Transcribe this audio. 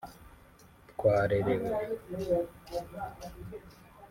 twarerewe